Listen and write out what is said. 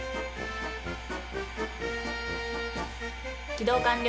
起動完了。